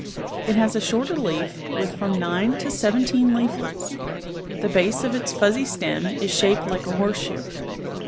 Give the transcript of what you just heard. It has a shorter leaf, with from nine to seventeen leaflets ; the base of its fuzzy stem is shaped like a horseshoe.